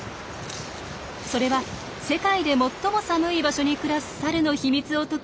それは世界で最も寒い場所に暮らすサルの秘密を解き明かす